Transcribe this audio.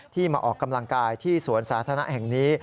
มาออกกำลังกายที่สวนสาธารณะแห่งนี้